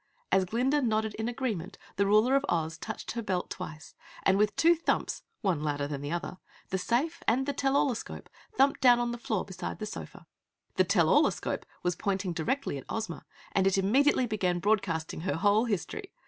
As Glinda nodded in agreement, the Ruler of Oz touched her belt twice, and with two thumps one louder than the other the safe and tell all escope thumped down on the floor beside the sofa. The tell all escope was pointing directly at Ozma, and it immediately began broadcasting her whole history.